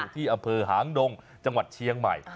ที่อำเภอหางดงจังหวัดเชียงใหม่